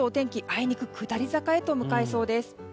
あいにく下り坂へと向かいそうです。